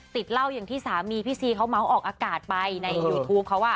ติดเหล้าอย่างที่สามีพี่ซีเขาเมาส์ออกอากาศไปในยูทูปเขาอ่ะ